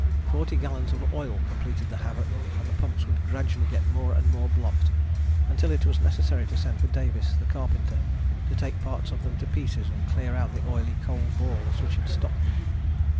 Forty gallons of oil completed the havoc and the pumps would gradually get more and more blocked until it was necessary to send for Davies, the carpenter, to take parts of them to pieces and clear out the oily coal balls which had stopped them.